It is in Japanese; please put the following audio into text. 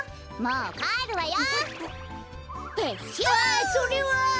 ああそれは。